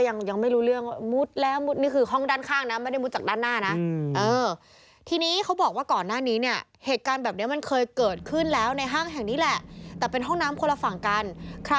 ยื่นมือเข้ามา